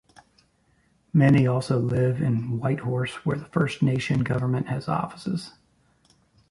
Many also live in Whitehorse where the First Nation government has offices.